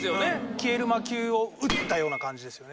消える魔球を打ったような感じですよね